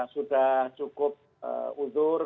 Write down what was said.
sudah cukup udhur